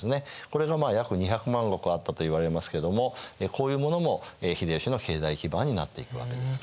これがまあ約２００万石あったといわれますけどもこういうものも秀吉の経済基盤になっていくわけです。